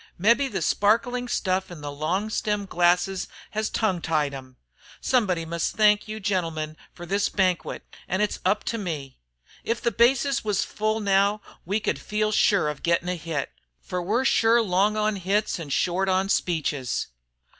Mebbe the sparklin' stuff in the long stemmed glasses hes tongue tied 'em. Somebody must thank all you gentlemen fer this banquet, an' it's up to me. If the bases was full now we could feel sure of gittin' a hit, fer we're sure long on hits an' short on speeches.